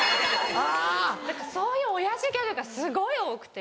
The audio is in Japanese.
そういうオヤジギャグがすごい多くて。